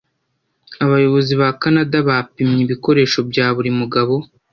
Abayobozi ba Kanada bapimye ibikoresho bya buri mugabo.